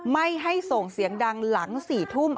ไม่ให้ส่งเสียงดังหลัง๔ทุ่ม